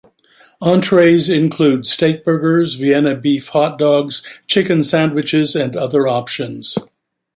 Entrees include steakburgers, Vienna Beef hot dogs, chicken sandwiches and other options.